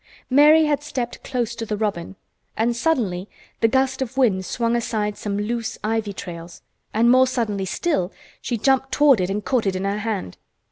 Mary had stepped close to the robin, and suddenly the gust of wind swung aside some loose ivy trails, and more suddenly still she jumped toward it and caught it in her hand.